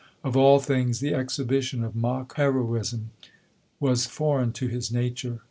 Of all things the exhibition of mock heroism was foreign to his nature.